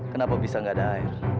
kenapa bisa nggak ada air